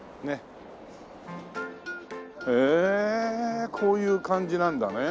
こういう感じなんだね。